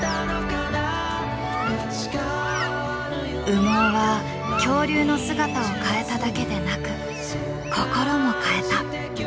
羽毛は恐竜の姿を変えただけでなく心も変えた。